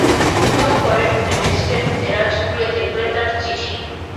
কুমু ঘরে ঢুকে ডেস্কের দেরাজ খুলে দেখলে তার চিঠি।